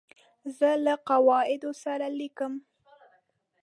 زه له قواعدو سره لیکم.